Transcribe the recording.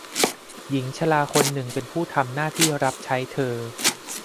หญิงชราคนหนึ่งเป็นผู้ทำหน้าที่รับใช้เธอ